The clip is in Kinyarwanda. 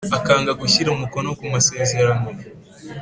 Akanga gushyira umukono ku masezerano